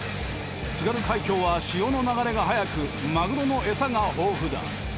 津軽海峡は潮の流れが速くマグロのエサが豊富だ。